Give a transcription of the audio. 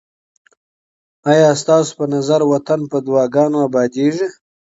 آیا ستاسو په نظر وطن په دعاګانو اباديږي؟